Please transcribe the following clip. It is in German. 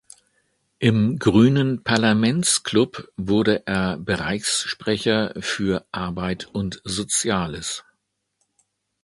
Im Grünen Parlamentsklub wurde er Bereichssprecher für Arbeit und Soziales.